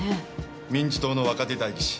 民自党の若手代議士。